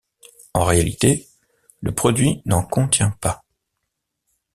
En réalité, le produit n'en contient pas.